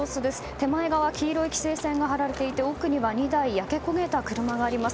手前側、黄色い規制線が張られていて奥には２台焼け焦げた車があります。